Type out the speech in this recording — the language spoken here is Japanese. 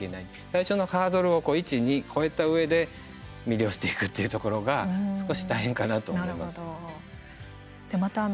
最初のハードルを１、２越えたうえで魅了していくっていうところが少し大変かなと思います。